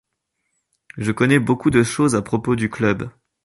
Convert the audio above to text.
Je connais beaucoup de choses à propos du club.